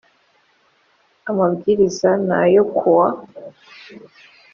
amabwiriza no yo kuwa